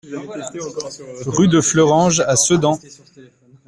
Rue de Fleuranges à Sedan